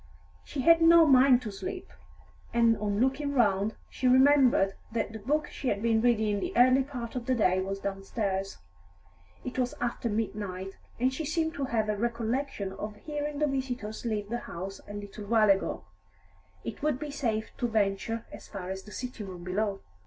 She had no mind to sleep, and on looking round, she remembered that the book she had been reading in the early part of the day was downstairs. It was after midnight, and she seemed to have a recollection of hearing the visitors leave the house a little while ago; it would be safe to venture as far as the sitting room below.